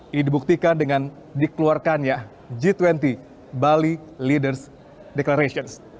ini dibuktikan dengan dikeluarkannya g dua puluh bali leaders declarations